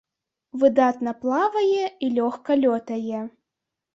Выдатна плавае і лёгка лётае.